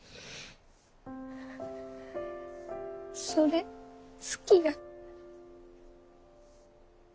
それ好きや。